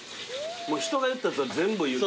人が言ったやつは全部言う。